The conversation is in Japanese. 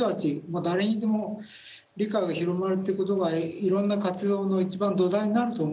あ誰にでも理解が広まるっていうことがいろんな活動の一番土台になると思うんですね。